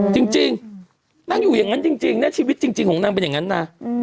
จริงนั่งอยู่อย่างนั้นจริงนะชีวิตจริงของนางเป็นอย่างนั้นนะ